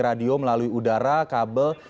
radio melalui udara kabel